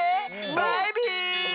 バイビー！